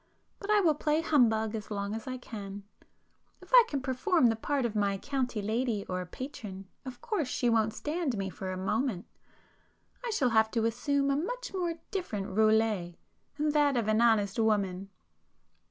But I will play humbug as long as I can. If I perform the part of 'county lady' or 'patron,' of course she won't stand me for a moment. I shall have to assume a much more difficult rôle,—that of an honest woman!"